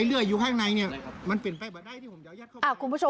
เพราะว่าลุงเป็นแบบ